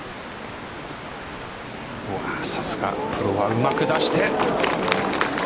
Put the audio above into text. さすがプロはうまく出して。